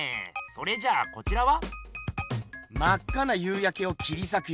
それじゃあこちらは？